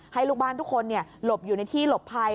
ให้ลูกบ้านทุกคนหลบอยู่ในที่หลบภัย